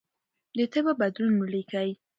د تبه بدلون ولیکئ.